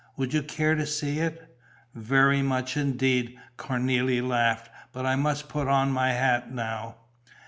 Would you care to see it?" "Very much indeed!" Cornélie laughed. "But I must put on my hat now."